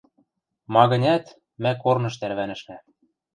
Ма-гӹнят, мӓ корныш тӓрвӓнӹшнӓ.